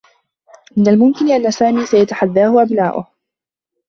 من الممكن أنّ سامي سيتحدّاه أبناؤه.